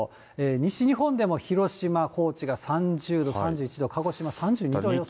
西日本でも広島、高知が３０度、３１度、鹿児島３２度予想。